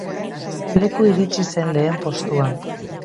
Leku iritsi zen lehen postuan.